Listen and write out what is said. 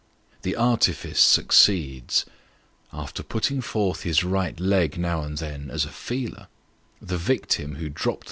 The artifice succeeds. After putting forth his right leg now and then, as a feeler, the victim who dropped The Beadle.